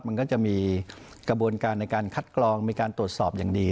มันก็จะมีกระบวนการในการคัดกรองมีการตรวจสอบอย่างดี